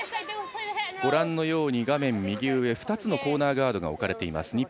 ご覧のように、画面右上に２つのコーナーガードが置かれています。